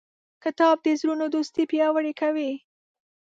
کتاب د زړونو دوستي پیاوړې کوي.